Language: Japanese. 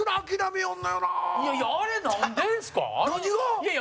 いやいや、